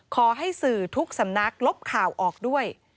ขอให้สื่อทุกสำนักลบข่าวออกด้วย